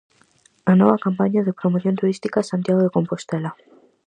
A nova campaña de promoción turística Santiago de Compostela.